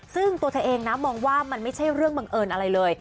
ซึ่งตัวเธอเองนะมองว่ามันไม่ใช่เรื่องบังเอิญอะไรเลย